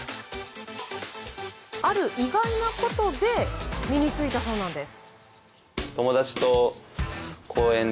ある意外なことで身に付いたそうなんです。